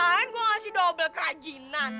kalian gue ngasih dobel kerajinan